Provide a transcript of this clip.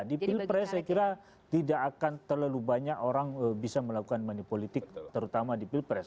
di pilpres saya kira tidak akan terlalu banyak orang bisa melakukan manipolitik terutama di pilpres